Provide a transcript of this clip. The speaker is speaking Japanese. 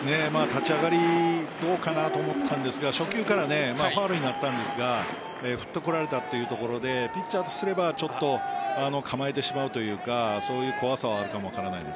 立ち上がり、どうかなと思ったんですが初球からファウルになったんですが振ってこられたというところでピッチャーとすればちょっと構えてしまうというかそういう怖さはあるかも分かりません。